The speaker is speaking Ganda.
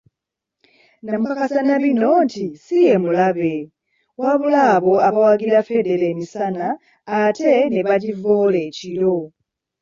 Namukakasa na bino nti si ye mulabe, wabula abo abawagira Federo emisana ate ne bagivvoola ekiro.